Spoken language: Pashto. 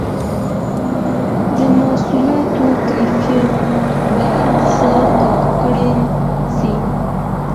د محصولاتو کيفيت به ښه کړل سي.